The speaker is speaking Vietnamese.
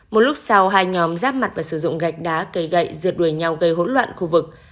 một lúc sau hai nhóm giáp mặt và sử dụng gạch đá cây gậy rượt đuổi nhau gây hỗn loạn khu vực